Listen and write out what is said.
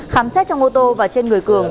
khám xét trong ô tô và trên người cường